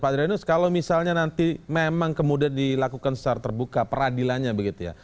pak adrianus kalau misalnya nanti memang kemudian dilakukan secara terbuka peradilannya begitu ya